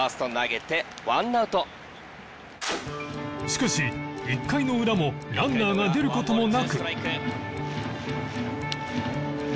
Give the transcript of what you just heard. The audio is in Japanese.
しかし１回の裏もランナーが出る事もなく